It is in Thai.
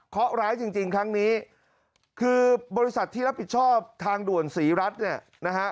ร้ายจริงจริงครั้งนี้คือบริษัทที่รับผิดชอบทางด่วนศรีรัฐเนี่ยนะฮะ